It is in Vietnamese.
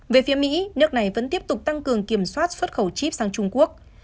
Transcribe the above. về phía mỹ nước này vẫn tiếp tục tăng cường kiểm soát xuất khẩu chip sang trung quốc